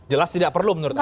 jelas tidak perlu menurut anda